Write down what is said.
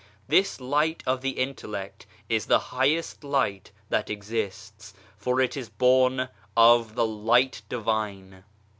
This light of the intellect is the highest light that exists, for it is born of the Light Divine.